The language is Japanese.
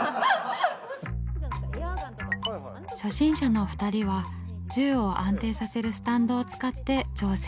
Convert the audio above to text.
初心者の２人は銃を安定させるスタンドを使って挑戦。